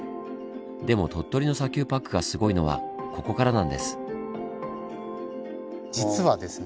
でも鳥取の砂丘パックがすごいのはここからなんです。